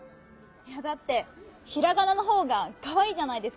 いやだってひらがなのほうがかわいいじゃないですか。